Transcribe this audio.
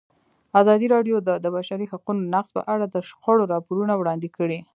ازادي راډیو د د بشري حقونو نقض په اړه د شخړو راپورونه وړاندې کړي.